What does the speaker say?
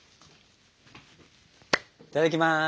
いただきます！